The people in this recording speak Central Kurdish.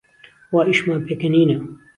وا ئیشمان پێکەنینە